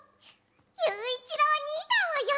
ゆういちろうおにいさんをよんでみよう！